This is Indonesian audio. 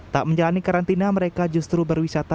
tak menjalani karantina mereka justru berwisata